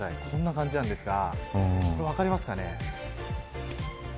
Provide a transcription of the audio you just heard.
こんな感じなんですが分かりますか。